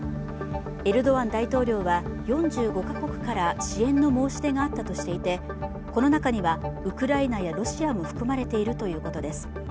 エルドアン大統領は４５か国から支援の申し出があったとしていて、この中にはウクライナやロシアも含まれているということです。